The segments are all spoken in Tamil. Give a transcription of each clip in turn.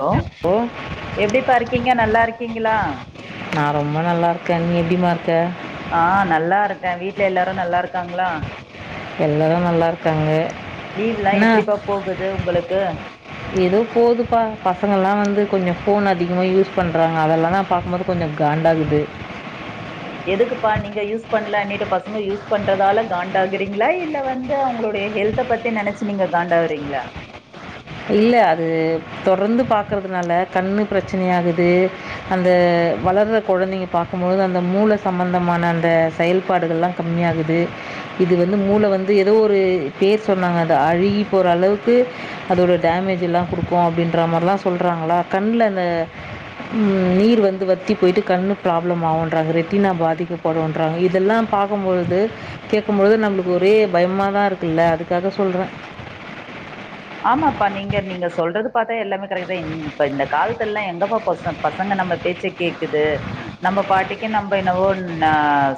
ஹலோ ஓ எப்படிப்பா இருக்கீங்க நல்லா இருக் கீங்களா நா ரொம்ப நல்லா இருக்கே நீ எப்டிம்மா இருக்க ஆஹ் நல்லா இருக்கே வீட்ல எல்லாரு நல்லா இருக்காங்களா எல்லாரும் நல்லா இருக்காங்க லீவ்லா நா. எப்டிப்பா போகுது உங்களுக்கு ஏதோ போதுப்பா பச ங்கள்லா வந்து கொஞ்ஞோ ஃபோன் அதிகமாக யூஸ் பண்ணுறாங்க அதெல்லாம் நான் பார்க்கும்போது கொஞ்சம் காண்ட ஆகுுது எதுக்குப்பா நீங்க யூஸ் பண்லனுட்டு பசங்க யூஸ் பண்றதால காண்டாகுறீங்களா இல்ல வந்து அவங்களுடைய ஹெல்த பத்தி நினைச்சு நீங்க காண்டாகறீங்களா இல்ல அது தொடர்ந்து பாக்குறதுனால கண்ணு பிரச்சன ஆகுது அந்த வளர்ற குழந்தைங்க பாக்கும்போது அந்த மூளை சம்பந்தமான அந்த செயல்பாடுகள்லா கம்மியாகுது இது வந்து மூளை வந்து ஏதோ ஒரு பேர் சொன்னாங்க அது அழுகி போற அளவுக்கு அதோடய டேமேஜ எல்லாம் கொடுக்கும் அப்படின்ற மாதிரிலாம் சொல்கிறாங்களா கண்ணல அந்த நீர் வந்து வத்தி போயி்ட்டு கண்ல ப்ராப்ளம் ஆகன்றாங்க ரெட்டினா பாதிக்கப்படும்ன்றாங்க இதெல்லாம் பார்க்கும்பொழுது கேட்கும்பொழுது நம்மளுக்கு ஒரே பயமாக தான் இருக்குல அதுக்காக சொல்ற ஆமாப்பா நீங்க- நீங்க சொல்றது பார்த்தா எல்லாமே கரெக்ட் தான் இப்ப இந்த காலத்துல எல்லாம் எங்கப்பா பச பசங்க நம்ம பேச்சை கேக்குது நம்ம பாட்டிக்கு நம்ம என்னவோ ந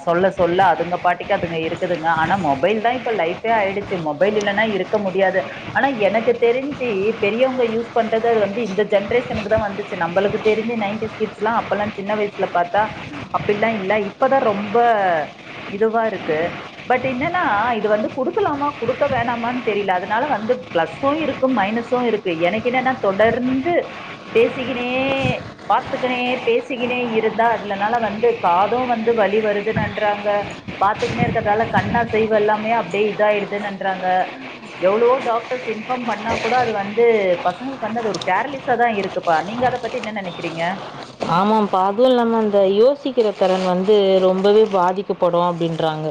சொல்ல சொல்ல அதுங்க பாட்டிக்கு அதுங்க இருக்குதுங்க ஆனா மொபைல் தான் இப்ப லைஃபே ஆயிடுச்சு மொபைல் இல்லன்னா இருக்க முடியாது ஆனா எனக்கு தெரிஞ்ஞி பெரியவங்க யூஸ் பண்றது அது வந்து இந்த ஜென்ரேஷனுக்கு தான் வந்துச்சு நம்மளுக்கு தெரிஞ்சு நைன்டி ஸ்கிட்ஸ் எலாம் அப்போல்லாம் சின்ன வயசுல பார்த்தா அப்படிலாம் இல்லை இப்பதான் ரொம்ப இதுவா இருக்கு பட் என்னனா இது வந்து குடுக்கலாமா குடுக்க வேணாமான்னு தெரியல அதனால வந்து பிளஸ்சும் இருக்கு மைனசும் இருக்கு எனக்கு என்னன்னா தொடர்ந்து பேசிக்கினே பாத்துக்கனே பேசிக்கினே இருந்தா அதுலனால வந்து காதும் வந்து வழி வருதுன்னுன்றாங்க பாத்துக்கினே இருக்கிறதால கண் அசைவு எல்லாமே அப்டியே இத ஆயிடுதுன்னுன்றாங்க எவ்வளவோ டாக் டோர்ஸ் இன்பம் பண்ணா கூட அது வந்து பசங்களுக்கு வந்து அது ஒரு கேர்லிசா தான் இருக்குப்பா நீங்க அதை பத்தி என்ன நினைக்கிறீங்க ஆமாம்ப்பா அதுவும் இல்லாம அந்த யோசிக்கிற திறன் வந்து ரொம்பவே பாதிக்கப்படு அப்டின்றாங்க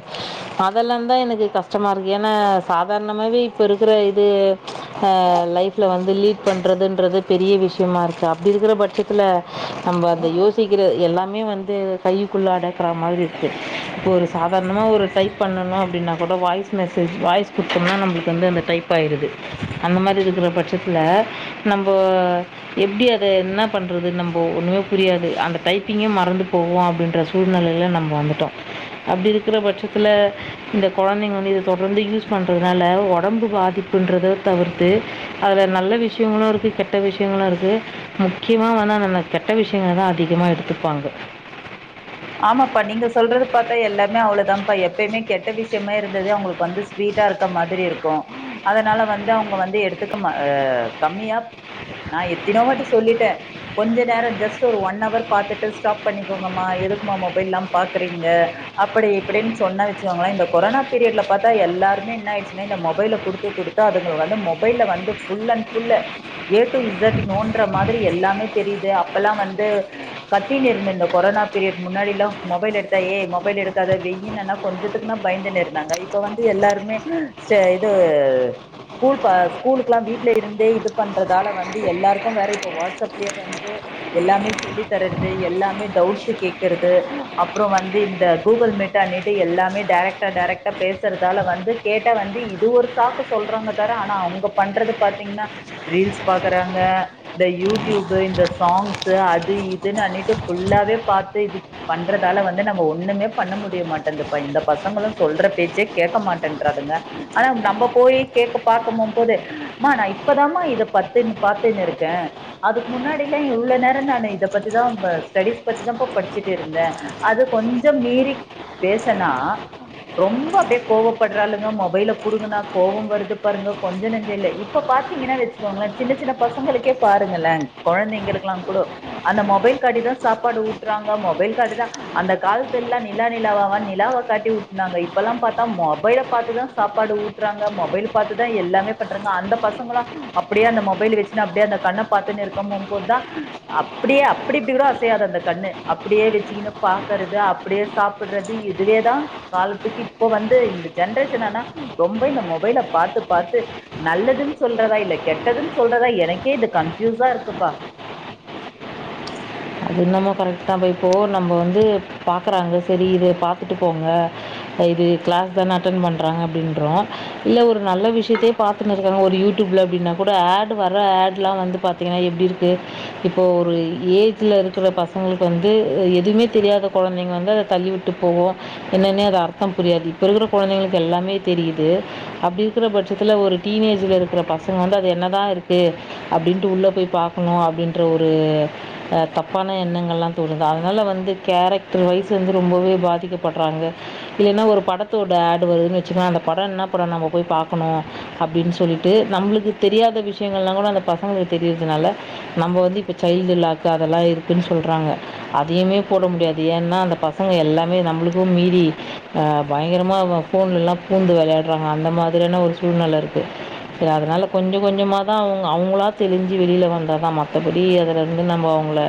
அதெல்லாம்தா எனக்கு கஷ்டமா இருக்கு ஏன்னா சாதாரணமாவே இப்ப இருக்கிற இது ஆஹ் லைஃப்ல வந்து லீட் பண்றதுன்றது பெரிய விஷயமா இருக்கு அப்டி இருக்கிற பட்சத்துல நம்ம அதை யோசிக்கிறது எல்லாமே வந்து கைக்குள்ளே அடக்கிற மாதிரி இருக்குது இப்போ ஒரு சாதாரணமாக ஒரு டைப் பண்ணணும் அப்படின்னா கூட வாய்ஸ் மெசேஜ் வாய்ஸ் கொடுத்தோம்னா நம்மளுக்கு வந்து அந்த டைப் ஆயிடுது அந்த மாதிரி இருக்கிற பட்சத்தில் நம்போ எப்படி அதை என்ன பண்ணுறது நம்போ ஒன்றுமே புரியாது அந்த டைப்பிங்கே மறந்து போவோம் அப்படின்ற சூழ்நிலையில் நம்ம வந்துட்டோம் அப்படி இருக்கிற பட்சத்தில் இந்த குழந்தைங்க ஒன்று இது தொடர்ந்து யூஸ் பண்ணுறதுனால உடம்பு பாதிப்புன்றதை தவிர்த்து அதில் நல்ல விஷயங்களும் இருக்கு கெட்ட விஷயங்களும் இருக்கு முக்கியமாக வந்தால் நம கெட்ட விஷயங்கள் தான் அதிகமாக எடுத்துப்பாங்க ஆமாப்பா நீங்க சொல்றது ப்த்தா எல்லாமே அவ்ளவுதான்ப்பா எப்பயுமே கெட்ட விஷயமே இருந்தது அவங்களுக்கு வந்து ஸ்வீட்டா இருக்க மாதிரி இருக்கு அதனால வந்து அவங்க வந்து எடுத்துக்க் கம்மியா நான் எத்தினோ வாட்டி சொல்லிட்டேன் கொஞ்ச நேரம் ஜஸ்ட் ஒரு ஒன் பாத்துட்டு ஸ்டாப் பண்ணிக்கோங்கமா எது மா மொபைல்லா பாக்குறீங்க அப்படி இப்படின்னு சொன்னே வச்சிக்கோங்களே இந்த கொரானா பீரியட்ல பாத்தா எல்லாருமே என்னாய்டுச்சினா இந்த மொபைல குடுத்து- குடுத்து அதுங்கள வந்து மொபைல வந்து full and full A to Z நோன்ற மாதிரி எல்லாமே தெரிது கத்தினுருந்த இந்த கொரோனா பீரியட் முன்னாடிலா மொபைல் எடுத்தா ஏ மொபைல் எடுக்க வெய்னா கொஞ்சத்துக்கு பயந்து இருந்தாங்க இப்ப வந்து எல்லாருமேூலு எாம் வீல இருந்தே இது பண்றதால வந்து எல்லாருக்கும் வேற வாட்ப் வந்து எல்லாமே சொல்லி தருது எல்லாமே டவுட்ஸ் கே க்கிறது அப்றோ வந்து இந்த கூகுள் மீட்டானுட்டு எல்லாமே டைரக்டா டைரக்டா பேசுறதால வந்து கேட்டா வந்து இது ஒரு சாக்கு சொல்றாங்க தவர ஆனா அவங்க பண்றது பாத்தீங்கன்னா ரீல்ஸ் பாக்குறாங்க இந்த யூடியூபு இந்த சாங்ஸு அது இதுன்னு நைட்டு ஃபுல்லாவே பாக் ட்டிது பண்றதால வந்து நம்ம ஒண்ணுமே பண்ண முடிய மாட்டேங்குதுப்பா இந்த பசங்களும் சொல்ற பேச்சே கேக்க மாட்டேன்றானுக ஆனா நம்ம போயி கேக்க பாக்க போம்போது ம்மா நா இப்பதமா இத பத்துனு பாத்தினு இருக்கே அதுக்கு முன்னாடி எல்லா இவ்ளோ நேரோ நானு இத பத்திதா ஆ ஸ்டடீஸ் பத்திதாம்பா படிச் ச்சிட்டுருந்த அது கொஞ்சோ மீறி பேசுனா ரொம்ப அப்டியே கோவப்பட்றாளுங்க மொபைல புடுங்குனா கோவம் வருது பாருங்க கொஞ்சம் நஞ்சம் இல்ல இப்ப பாத்தீங்கன்னு வெச்சுக்கோங்களே சின்ன சின்ன பசங்களுக்கே பாருங்களே கொழந்தைங்களுக்கெல்லாங் கூடோ அந்த மொபைல் காட்டிதா சாப்பாடு ஊட்றாங் மட்ட அந்த காலத்துல்லாம் நிலா நிலாவ நிலாவை காட்டினாங்க இப்பல்லாம் மைதான் சாப்பாடு ட்டுறாங்க மைத எல்லாமே பண்றாங்க அந்த பசங்கள அப்படிய அந்த மொைண்ண இரு போதுான் அப்படியே அப்படிப்படி கூ அசையாது அந்த கண்ணு அப்படியே வச்சுக்கனு பாக்குறது அப்படியே சாப்பிடுறது இதுவேதான் காலத்துக்கு இப்ப வந்து இந்த ஜென்ரேஷன் ஆனா ரொம்ப இந்த மொபைல பாார்த்து பாாரத்து நல்லதுன்னு சொல்றதா இல்ல கெட்டதுன்னு சொல்றதா எனக்கே இது கன்ஃயூஸா இருக்குப்பா அது என்னமோ கரெக்ட்தா இப்போ நம்ம வந்து பாக்கறாங்க சரி இதய பாத்துட்டு போங்க ஆ இது கிளாஸ்தான அட்டென்ட் பண்றாங்க அப்டின்றோ இல்ல ஒரு நல்ல விஷயத்தையே பாத்துனு இருக்காங்க ஒரு யூடியூப்ல அப்டின்னா கூட ஆட் வர்ர ஆட்லாம் வந்து பாத்தீங்கன்னா எப்டி இருக்கு இப்போ ஒரு ஏஜ் பத்தில் இருக்கிற பசங்களுக்கு வந்து எதுவுமே தெரியாத குழந்தைங்க வந்து அதை தள்ளிவிட்டு போவும் என்னன்னே அது அர்த்தம் புரியாது இப்போ இருக்கிற குழந்தைங்களுக்கு எல்லாமே தெரியுது அப்படி இருக்கிற பட்சத்தில் ஒரு டீனேஜில் இருக்கிற பசங்க வந்து அது என்னதான் இருக்குது அப்படின்ட்டு உள்ளே போய் பார்க்கணும் அப்படின்ற ஒரு தப்பான எண்ணங்கள்லா தோணுது அதனால வந்து கேரக்டர் வைஸ் வந்து ரொம்பவே பாதிக்கப்படுறாங்க இல்லைன்னா ஒரு படத்தோட ஆட் வருதுன்னு வச்சுக்கங்களே அந்த படம் என்ன படம் நம்ம போய் பாக்கணு அப்டின்னு சொல்லிட்டு நம்மளுக்கு தெரியாத விஷயங்கள்லாம் கூட அந்த பசங்களுக்கு தெரிறதுனால நம்ம வந்து இப்போ சைல்டு லாக்கு அத அதெல்லாம் இருக்குன்னு சொல்றாங்க அதையுமே போட முடியாது ஏன்னா அந்த பசங்க எல்லாமே நம்மளுக்கும் மீறி பயங்கரமாக போன்லல்லாம் பூந்து விளையாடுறாங்க அந்த மாதிரியான ஒரு சூழ்நிலை இருக்கு அதனால கொஞ்சம் கொஞ்சமாக தான் அவங்க அவங்களா தெஞ்சு வெளிய வந்தா தான் மற்றபடி அததுல இருந்து நம்மங்க அவ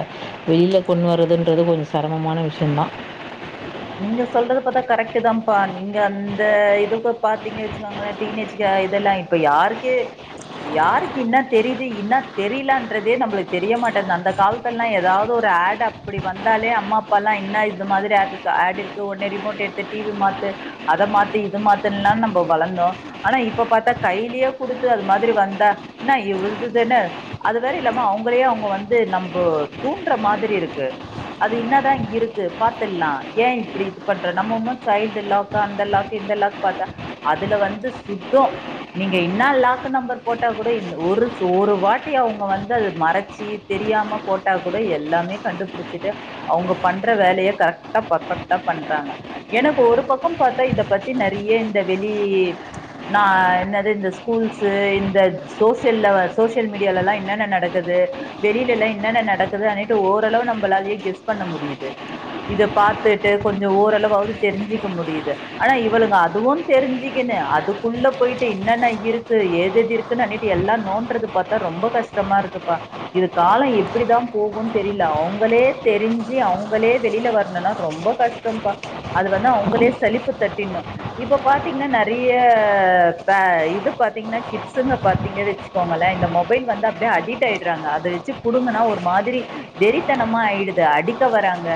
வெளியில கொண்டு வரதுன்றது கொஞ்சம் சரமமான விஷயம் தான் நீங்க சொல்றத பாத்தா கரெக்ட்டுதாம்ப்பா நீங்க அந்த இதுக்கு பாத்தீங்க வச்சுக்கோங்களே டீனேஜ்க்கு இதெல்லா இப்ப யாருக்கு யாருக்கு இன்னா தெரியுது இன்னா தெரியலன்றதே நம்மளுக்கு தெரியமாட்டேங்து அந்த காலத்துல எல்லாம் ஏதாவது ஒரு ஆட் அப்படி வந்தாலே அம்மா அப்பல்லாம் என்ன இது மாதிரி ஆட் இந்த ஆட் இருக்கு ஒடனே ரிமோட் எடுத்து டிவி மாத்து அத மாத்து இத மாத்துன்லான் நம்ம வளந்தோம் ஆனா இப்ப பாத்தா கையிலியே குடுத்து அது மாதிரி வந்தா என்ன இவ்வுள்து தான அது வேற இல்லாம அவங்களயே அவங்க வந்து நம்ப தூண்ற மாதிரி இருக்கு அது என்னாதான் இங்க இருக்கு பாத்துலாம் ஏன் இப்டி இது பண்ற நம்ம இன்னு சைல்டு லாக்கு அந்த லாக்கு இந்த லாக்கு பாத்தா அதுல வந்து சுத்தோ நீங்க இன்னா லாக்கு நம்பர் போட்டா கூட இந் ஒரு ஒரு வாட்டி அவங்க வந்து அது மறைச்சு தெரியாம போட்டா கூட எல்லாமே கண்டுபிடிச்சிட்டு அவங்க பண்ற வேலைய கரெக் ட்டா பெர்ஃபெக்டடா பண்றாங்க எனக்கு ஒரு பக்கம் பாத்தா இத பத்தி நெறைய இந்த வெளி நான் என்ன இது இந்த ஸ்கூல்ஸு இந்த சோசியல்ல சோசியல் மீடியால எல்லாம் என்னென்ன நடக்குது வெளியில எல்லாம் என்னென்ன நடக்குது அப்டின்னு ஓரளவு நம்பளாலயே கெஸ் பண்ண முடியுது இத பாத்துட்டு கொஞ்சம் ஓரளவாவது தெரிஞ்சிக்க முடியுது ஆனா இவளுங்க அதுவும் தெரிஞ்சிகினு அதுக்குள்ள போயிட்டு இன்னென்ன இருக்கு எதுயெது இருக்குன்னு அப்டின்னு எல்லாம் நோன்றது பார்த்தா ரொம்ப கஷ்டமா இருக்குப்பா இது காலம் எப்டிதான் போகுனு தெரில அவங்களே தெரிஞ்சு அவங்களே வெளியில வர இல்லனா ரொம்ப கஷ்டம்பா அது வந்து அவங்களே சலிப்பு தட்டிரனு இப்ப பாத்தீங்கன்னா நெறைய த இது பாத்தீங்கன்னா கிட்ஸுங்க பாத்தீங்க வச்சுக்கோங்களே இந்த மொபைல் வந்து அப்டியே அடிக்ட் ஆயிடுறாங்க அத வச்சு புடுங்கனா ஒரு மாதிரி வெறித்தனமா ஆயிடுது அடிக்க வராங்க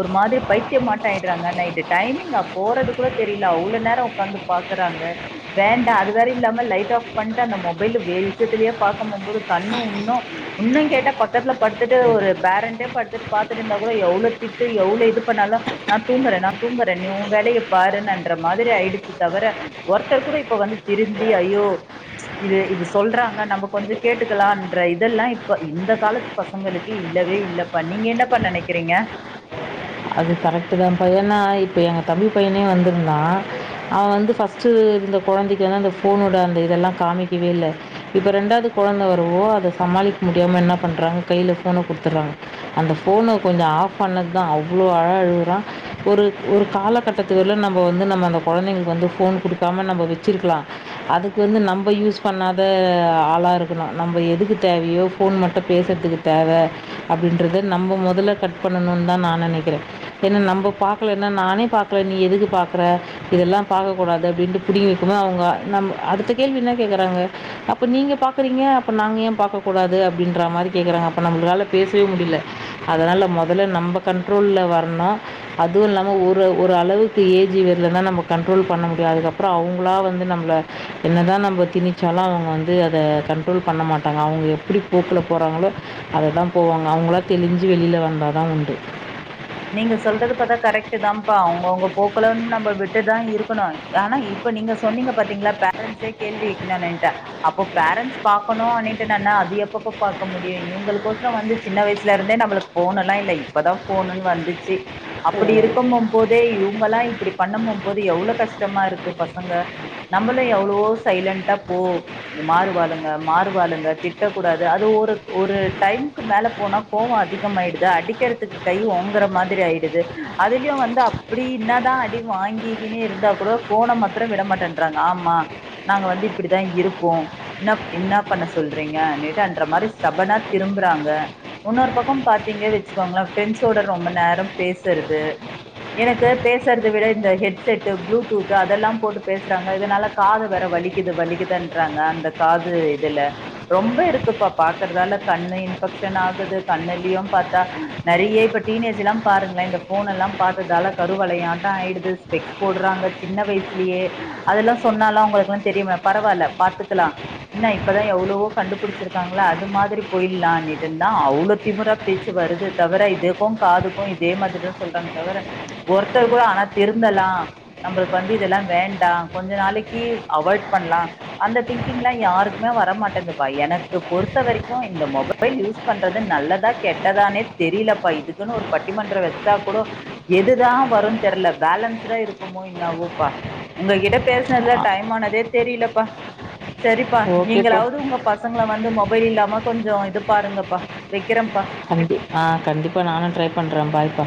ஒரு மாதிரி பைத்தியமாட்டம் ஆகிடுறாங்க நைட்டு டைமிங் அ போறது கூட தெரில அவ்ளோ நேரம் உட்காந்து பாகறாங்க வேண்டா அது வேற இல்லாம லைட் ஆஃப் பண்ணிட்டு அந்த மொபைல வெளிச்சத்துலேயே பார்க்கும் போம்போது கண்ணு உன்னோ இன்னும் கேட்டா பக்கத்துல படுத்துட்டு ஒரு பேரண்டே படுத்துட்டு பார்த்துட்டு இருந்தா கூட எவ்ளோ திட் ட்டு எவ்ளோ இது பண்ணாலும் நான் தூங்குறேன் நான் தூங்குறேன் நீ உன் வேலைய பாருன்னன்ற மாதிரி ஆயிடுச்சு தவர ஒருத்தர் கூட இப்ப வந்து திருந்தி ஐயோ இது இது சொல்றாங்க நம்ம கொஞ்சம் கேட்டுக்கலான்ற இதெல்லாம் இப்ப இந்த காலத்து பசங்களுக்கு இல்லவே இல்லப்பா நீங்க என்னபா நினைக்கிறீங்க அது கரெக்டுதாம்ப்பா ஏன்னா இப்ப எங்க தம்பி பையனே வந்திருந்தா அவன் வந்து ஃபர்ஸ்ட் இந்த கொழந்தைக்கு வந்து அந்த ஃபோனோட அந்த இதெல்லா காமிக்கவே இல்ல இப்ப ரெண்டாவது குழந்தை வருவு அத சமாளிக்க முடியாம என்ன பண்றாங்க கையில ஃபோன குடுத்துர்றாங்க அந்த ஃபோனை கொஞ்சம் ஆஃப் பண்ணதுதா அவ் [unintelligible] ஒரு ஒரு காலகட்டத்து வர்லியும் நம்ப வந்து நம்ம அந்த கொழந்தைங்களுக்கு வந்து ஃபோன் குடுக்காம நம்ம வச்சிருக்கலாம் அதுக்கு வந்து நம்ம யூஸ் பண்ணாத ஆளா இருக்கணும் நம்ப எதுக்கு தேவையோ ஃபோன் மட்டும் பேசுறதுக்கு தேவ அப்டின்றத நம்ம மொதல்ல கட் பண்ணணுன்னு தான் நான் நனைக்கிறேன் [unintelligible] ஏன்னா நம்ப பாக்கலான நானே பாக்கல நீ எதுக்கு பாக்குற இதெல்லாம் பாக்கக் கூடாது அப்டின்ட்டு புடிங்க [unintelligible] அவங்க அடுத்த கேள்வி என்ன கேக்குறாங்க அப்ப நீங்க பாக்கறீங்க அப்ப நாங்க ஏன் பாக்கக் கூடாது அப்டின்ற மாரி கேக்குறாங்க அப்ப நம்மளால பேசவே முடியல அதனால மொதல்ல நம்ம கண் ட்ரோல்ல வரணும் அதுவும் இல்லாம ஒரு ஒரு அளவுக்கு ஏஜ் வரல தான் நம்ம கண்ட்ரோல் பண்ண முடியும் அதுக்கப்புறம் அவங்களா வந்து நம்ள என்ன தான் நம்ம திணிச்சாலும் அவங்க வந்து அதை கண்ட்ரோல் பண்ண மாட்டாங்க அவங்க எப்டி போக்ல போறாங்களோ அதை தான் போவாங்க அவங்களா தெளிஞ்சு வெளில வந்தா தான் உண்டு நீங்க சொல்றது பாத்தா கரெக்ட் தான்ப்பா அவங்கவுங்க போக்குல நம்ம விட்டுதான் இருக்கணும் ஆனா இப்ப நீங்க சொன்னீங்க பாத்தீங்களா பேரண்ட்ஸே கேள்விைக்கணும் அப்போ பேரண்டட்ஸ் பாக்கணும் [unintelligible] அது எப்பப்ப பாக்க முடியும் இவங்களுக்கொசரம் வந்து சின்ன வயசுல இருந்தே நம்மளுக்கு ஃபோன் எல்லாம் இல்ல இப்பதான் போனுன் வந்து [unintelligible] அப்படி இருக்குமும் போதே இவங்கல்லா இப்டி பண்ணுமும் போது எவ்ளவு கஷ்டமா இருக்கு பசங்க நம்மளு எவ்ளவோ சைலண்ட்டா போவ் இது மாறுவாளுங்க மாறுவாளுங்க திட்டக்கூடாது அது ஒரு ஒரு டைம்க்கு மேல போனா கோவம் அதிக ஆயிடுது அடிக்கிறதுக்கு கை ஓங் ங்கற மாதிரி ஆயிடுது அதுலயு வந்து அப்டின்னதா அடி வாங்கிக்னே இருந்தா கூட ஃபோன மாத்ரம் விடமாட்டேன்றாங்க ஆமா நாங்க வந்து இப்பிடிதா இருப்போ என்னா என்ன பண்ண சொல்றீங்க [unintelligible] ன்ற மாரி சடனா திரும்புறாங்க இன்னொரு பக்கம் பாத்தீங்க வெச்சுக்கோங்களே ஃபிரெண்ட்ஸோட [unintelligible] ரொம்ப நேரம் பேசுறது எனக்கு பேசறத விட இந்த ஹெட்செட்டு ப்ளூடூத்து அதெல்லாம் போட்டு பேசுறாங்க இதனால காது வேற வலிக்குது வலிக்குதன்றாங்க அந்த காது இதுல ரொம்ப இருக்குப்ப பாக்குறதால கண்ணு இன்பெக்ஷன் ஆகுது கண்ணுளையும் பாத்தா நறைய இப்ப டீனேஜ்ல்லாம் பாருங்கலேன் இந்த ஃபோன் எல்லாம் பார்த்ததால கருவலையாட்டம் ஆயிடுது ஸ்பெக்ஸ் போடுறாங்க சின்ன வயசுலேயே அதெல்லாம் சொன்னாலாம் அவங்களுக்கெல்லாம் தெரியுமே பரவால்ல பாத்துக்கலாம் இன்ன இப்பதான் எவ்வளவோ கண்டுபிடிச்சிருக்காங்கள அது மாதிரி போய்லான்னிட்டுந்தான் அவ்ளோ திமுரா பேச்சு வருது தவிர இது க்கும் காதுக்கும் இதே மாதிரி சொல்றாங்க தவிர ஒருத்தர் கூட ஆனா திருந்தலா நம்பளுக்கு வந்து இதெல்லா வேண்டா கொஞ்ச நாளைக்கி அவாய்ட் பண்லா அந்த திங்கிங்லா யாருக்குமே வரமாட்டேங்குதுப்பா எனக்கு பொறுத்த வரைக்கு இந்த மொபைல் யூஸ் பண்றது நல்லதா கெட்டதானே தெரியலப்பா இது க்குன்னு ஒரு பட்டிமன்ற வச்சா கூட எதுதான் வரும் தெர்ல பேலன்ஸ்டா இருக்குமோ என்னாவோப்பா உங்ககிட்ட பேசுனதுல டைம் ஆனதே தெரியலப்பா சரிபா ஓகேப்பா நீங்களாவது உங்க பசங்க [unintelligible] வந்து மொபைல் இல்லாம கொஞ்சம் இது பாருங்கப்பா வைக்கிறேன்ப்பா கண்டிப் ஆஹ் கண்டிப்பா நானும் ட்ரை பண்ணுறேன் பாய்ப்பா